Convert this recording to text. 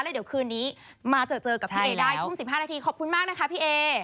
แล้วเดี๋ยวคืนนี้มาเจอเจอกับพี่เอได้ทุ่ม๑๕นาทีขอบคุณมากนะคะพี่เอ